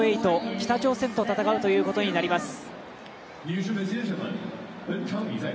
北朝鮮と戦うことになります。